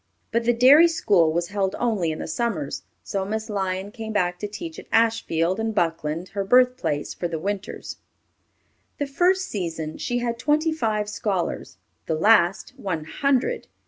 But the Derry school was held only in the summers, so Miss Lyon came back to teach at Ashfield and Buckland, her birthplace, for the winters. The first season she had twenty five scholars; the last, one hundred.